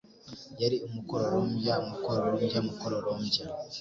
yari umukororombya, umukororombya, umukororombya!